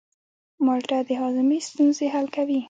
مالټه د هاضمې ستونزې حل کوي.